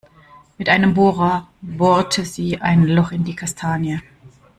Mit einem Bohrer bohrte sie ein Loch in die Kastanie.